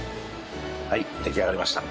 はい出来上がりました。